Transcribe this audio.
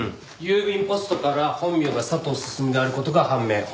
郵便ポストから本名が「佐藤進」である事が判明。